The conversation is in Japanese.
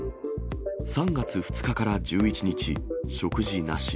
３月２日から１１日、食事なし。